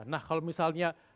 nah kalau misalnya